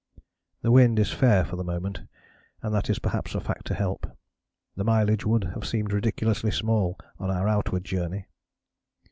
The wind is fair for the moment, and that is perhaps a fact to help. The mileage would have seemed ridiculously small on our outward journey."